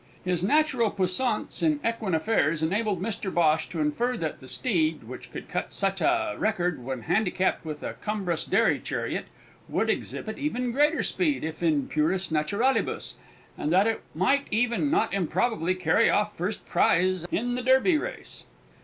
His natural puissance in equine affairs enabled Mr Bhosh to infer that the steed which could cut such a record when handicapped with a cumbrous dairy chariot would exhibit even greater speed if in puris naturalibus, and that it might even not improbably carry off first prize in the Derby race.